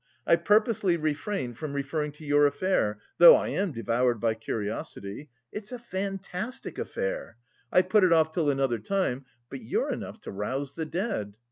I purposely refrained from referring to your affair, though I am devoured by curiosity. It's a fantastic affair. I've put it off till another time, but you're enough to rouse the dead....